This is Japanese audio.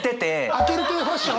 開ける系ファッション？